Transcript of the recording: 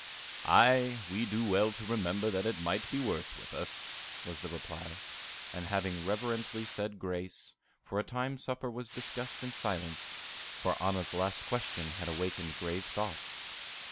"Aye, we do well to remember that it might be worse with us," was the reply; and having reverently said grace, for a time supper was discussed in silence, for Anna's last question had awakened grave thoughts.